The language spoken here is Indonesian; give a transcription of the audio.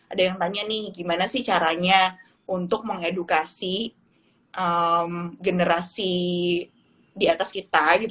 ada yang tanya nih gimana sih caranya untuk mengedukasi generasi di atas kita gitu